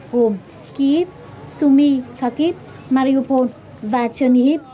gồm kiev sumy kharkiv mariupol và chernihiv